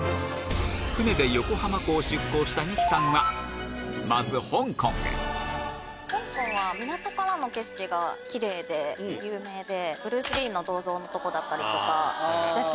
船で横浜港を出航した三木さんはまず香港へ香港は港からの景色がキレイで有名で。